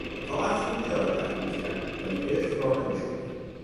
اطاعت را میشود تحمیل کرد ولی عشق را نمیشود.